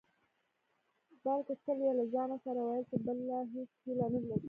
بلکې تل يې له ځانه سره ويل چې بله هېڅ هيله نه لري.